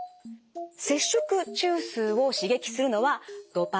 摂食中枢を刺激するのはドパミン。